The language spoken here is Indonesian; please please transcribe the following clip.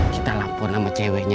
kita lapor sama ceweknya